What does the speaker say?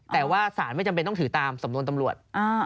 แต่ว่าสารไม่จำเป็นต้องถือตามสำนวนตำรวจ